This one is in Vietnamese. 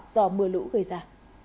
do mưa lũ gây ra